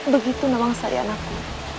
begitu nawang sari anakku